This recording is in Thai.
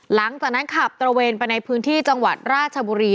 หลังจากนั้นขับตระเวนไปในพื้นที่จังหวัดราชบุรี